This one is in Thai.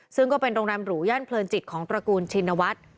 ซึ่งก็เป็นโรงแรมหรูย่านเพลินจิตของตระกูลชินวัฒน์